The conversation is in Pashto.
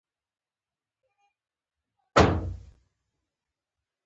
بوږنېدلى وم مخ مې بلې خوا ته واړاوه.